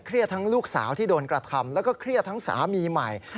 ทั้งลูกสาวที่โดนกระทำแล้วก็เครียดทั้งสามีใหม่